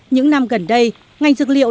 những năm gần đây ngành dược liệu